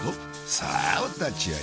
さあお立ち会い。